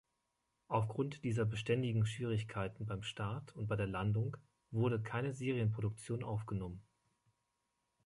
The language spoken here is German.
Aufgrund dieser beständigen Schwierigkeiten beim Start und bei der Landung wurde keine Serienproduktion aufgenommen.